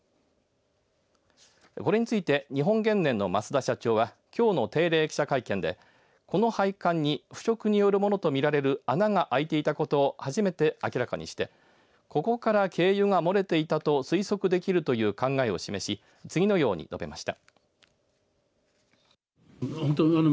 これについて日本原燃の増田社長はきょうの定例記者会見でこの配管に腐食によるものとみられる穴が空いていたことを初めて明らかにしてここから軽油が漏れていたと推測できるという考えを示し次のように述べました。